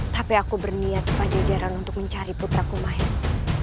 tapi aku berniat di pajajaran untuk mencari putraku mahes